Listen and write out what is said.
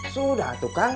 sudah tuh kang